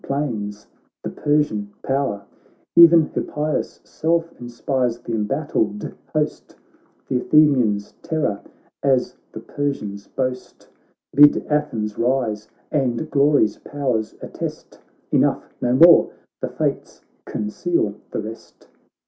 plains, the Persian power ! E'en Hippias' self inspires th' embattled host, Th' Athenian's terror, as the Persian's boast. Bid Athens rise and glory's powers attest. Enough — no more — the fates conceal the rest."